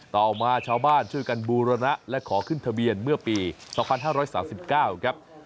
ต่อมาชาวบ้านช่วยกันบูรณะและขอขึ้นทะเบียนเมื่อปี๒๕๓๙ครับ